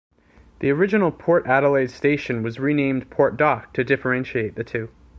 The original Port Adelaide station was renamed Port Dock to differentiate the two.